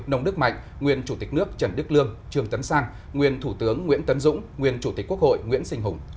nông đức mạnh nguyên chủ tịch nước trần đức lương trương tấn sang nguyên thủ tướng nguyễn tấn dũng nguyên chủ tịch quốc hội nguyễn sinh hùng